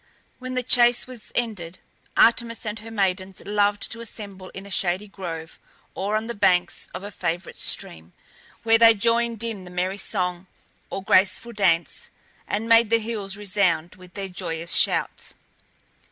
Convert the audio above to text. When the chase was ended, Artemis and her maidens loved to assemble in a shady grove, or on the banks of a favourite stream, where they joined in the merry song, or graceful dance, and made the hills resound with their joyous shouts.